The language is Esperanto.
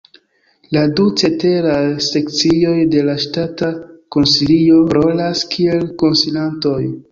La du ceteraj sekcioj de la Ŝtata Konsilio rolas kiel konsilantoj.